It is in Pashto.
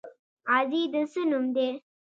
غازی د څه نوم دی؟